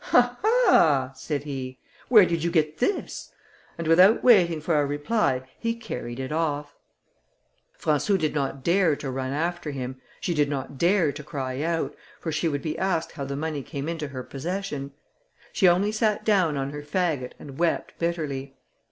"Ah! ah!" said he, "where did you get this?" and without waiting for a reply he carried it off. Françou did not dare to run after him, she did not dare to cry out, for she would be asked how the money came into her possession. She only sat down on her faggot and wept bitterly.